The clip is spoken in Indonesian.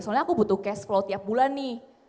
soalnya aku butuh cashflow tiap bulan nih